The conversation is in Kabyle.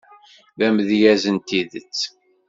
D amedyaz n tidet.